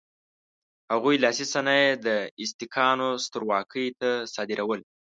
هغوی لاسي صنایع د ازتکانو سترواکۍ ته صادرول.